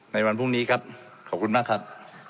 ในวันพรุ่งนี้ครับขอบคุณมากครับ